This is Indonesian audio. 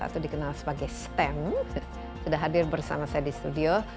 atau dikenal sebagai steng sudah hadir bersama saya di studio